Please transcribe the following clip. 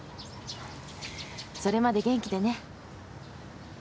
それまで元気でね。